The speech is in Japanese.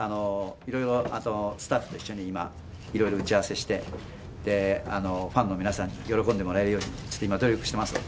いろいろスタッフと一緒に今、いろいろ打ち合わせして、ファンの皆さんに喜んでもらえるように、ちょっと今、努力していますので。